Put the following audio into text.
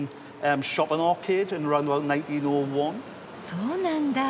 そうなんだ。